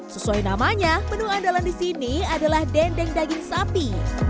sesuai namanya menu andalan di sini adalah dendeng daging sapi